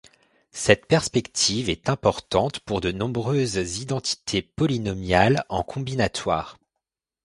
Cette perspective est importante pour de nombreuses identités polynomiales en combinatoire.